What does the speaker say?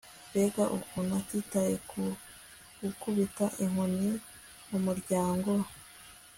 mbega ukuntu atitaye ku gukubita intoki mu muryango